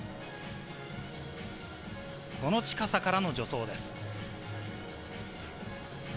この近さからの助走です。